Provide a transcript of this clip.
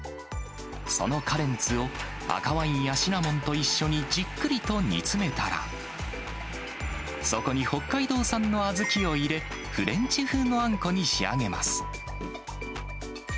そのカレンツを、赤ワインやシナモンと一緒にじっくりと煮詰めたら、そこに北海道産の小豆を入れ、フレンチ風のあんこに仕上げます。